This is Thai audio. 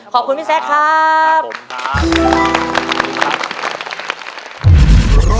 ขอบคุณพี่แซคครับ